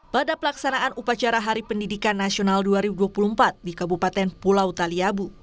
pada pelaksanaan upacara hari pendidikan nasional dua ribu dua puluh empat di kabupaten pulau taliabu